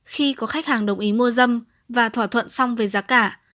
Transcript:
khi có khách hàng đồng ý mua dâm và thỏa thuận xong về giá cả